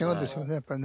やっぱりね。